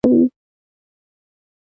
د شړومبو بازار په اوړي کې څنګه وي؟